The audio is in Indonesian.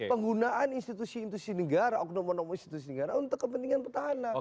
penggunaan institusi institusi negara oknum oknum institusi negara untuk kepentingan petahana